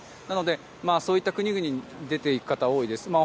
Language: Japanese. なので、そういった国々に出て行く方が多いです。